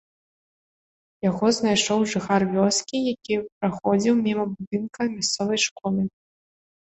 Яго знайшоў жыхар вёскі, які праходзіў міма будынка мясцовай школы.